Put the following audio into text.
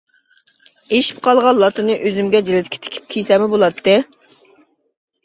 ئېشىپ قالغان لاتىنى ئۆزۈمگە جىلىتكە تىكىپ كىيسەممۇ بولاتتى.